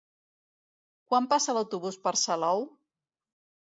Quan passa l'autobús per Salou?